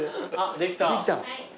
できた。